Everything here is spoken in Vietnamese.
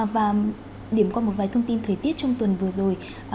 và điểm qua một vài thông tin thời tiết trong tuần vừa rồi